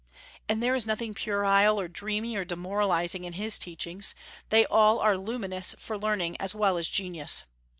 And there is nothing puerile or dreamy or demoralizing in his teachings; they all are luminous for learning as well as genius.